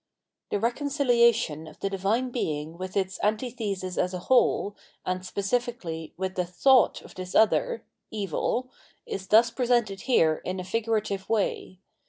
The reconcihation of the Divine Being with its antithesis as a whole, and, specifically, with the thought of this other — evil — is thus presented here in a figurative way.